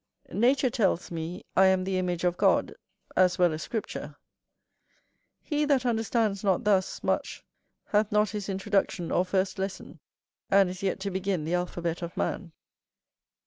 Nature tells me, I am the image of God, as well as Scripture. He that understands not thus much hath not his introduction or first lesson, and is yet to begin the alphabet of man.